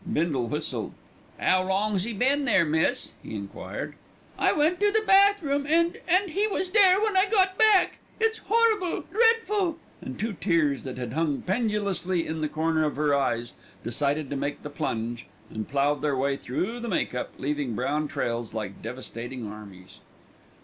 Bindle whistled. "'Ow long's 'e been there, miss?" he enquired. "I went to the bath room and and he was there when I got back. It's horrible, dreadful," and two tears that had hung pendulously in the corner of her eyes decided to made the plunge, and ploughed their way through the make up, leaving brown trails like devastating armies.